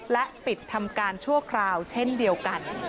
และปิดทำการชั่วคราวเช่นเดียวกัน